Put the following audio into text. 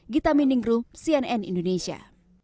gita miningru cnn indonesia